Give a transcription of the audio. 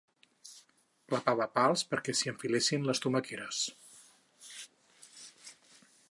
Clavava pals perquè s'hi enfilessin les tomaqueres.